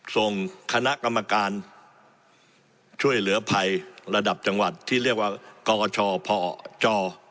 ส่งคณะกรรมการช่วยเหลือภัยระดับจังหวัดที่เรียกว่ากชพจ